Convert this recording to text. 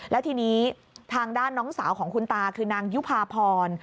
แล้วทีนี้ทางด้านน้องสาวของคุณตาคือนางยุภาพร